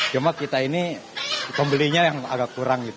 cuma kita ini pembelinya yang agak kurang